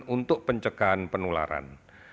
untuk pencegahan penularan